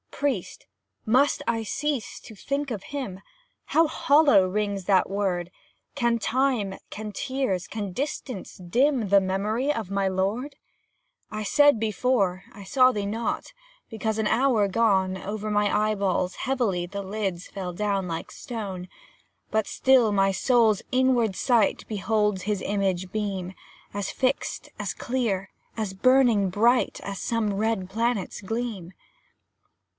Priest MUST I cease to think of him? How hollow rings that word! Can time, can tears, can distance dim The memory of my lord? I said before, I saw not thee, Because, an hour agone, Over my eyeballs, heavily, The lids fell down like stone. But still my spirit's inward sight Beholds his image beam As fixed, as clear, as burning bright, As some red planet's gleam.